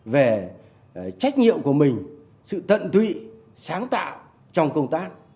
về trách nhiệm của mình sự tận tụy sáng tạo trong công tác